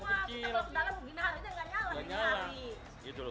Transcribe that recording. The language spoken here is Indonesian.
semua kita kalau ke dalam begini aja nggak nyala